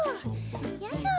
よいしょ。